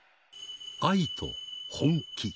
愛と本気。